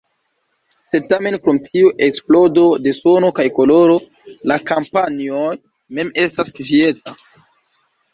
Sed tamen krom tiu eksplodo de sono kaj koloro, la kampanjoj mem estas kvieta.